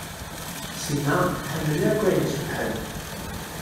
Sima tḥemmel akk ayen icebḥen.